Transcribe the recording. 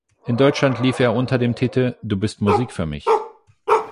In Deutschland lief er unter dem Titel "Du bist Musik für mich".